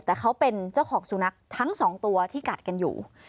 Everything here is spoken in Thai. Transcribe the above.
แต่เขาเป็นเจ้าของสุนัขทั้งสองตัวที่กัดกันอยู่